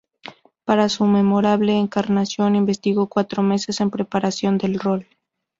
Para su memorable encarnación investigó cuatro meses en preparación del rol.